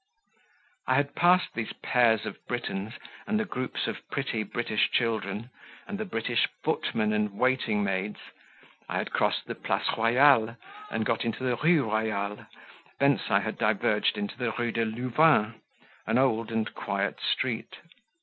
I had passed these pairs of Britons, and the groups of pretty British children, and the British footmen and waiting maids; I had crossed the Place Royale, and got into the Rue Royale, thence I had diverged into the Rue de Louvain an old and quiet street.